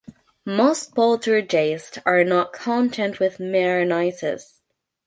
Most poltergeists are not content with mere noises.